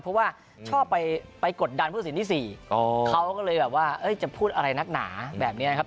เพราะว่าชอบไปกดดันผู้สินที่๔เขาก็เลยแบบว่าจะพูดอะไรนักหนาแบบนี้นะครับ